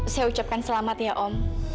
saya ucapkan selamat ya om